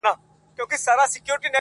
ټولنه خپل عيب نه مني تل،